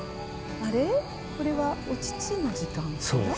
これはお乳の時間かな？